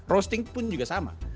roasting pun juga sama